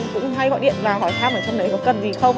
cũng hay gọi điện vào hỏi khác ở trong đấy có cần gì không